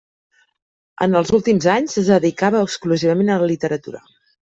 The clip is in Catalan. En els últims anys es dedicava exclusivament a la literatura.